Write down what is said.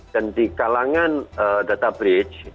dan di kalangan data bridge